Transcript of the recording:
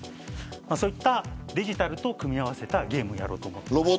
そういったデジタルと組み合わせたゲームをやろうと思っています。